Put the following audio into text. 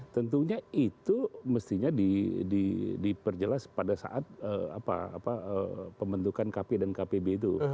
tentunya itu mestinya diperjelas pada saat pembentukan kp dan kpb itu